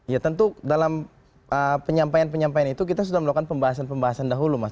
ya tentu dalam penyampaian penyampaian itu kita sudah melakukan pembahasan pembahasan dahulu mas